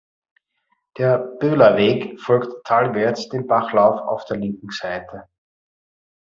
Der "Böhler Weg" folgt talwärts dem Bachlauf auf der linken Seite.